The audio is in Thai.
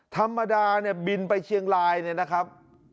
ธรรมดาเนี่ยบินไปเชียงรายเนี่ยนะครับ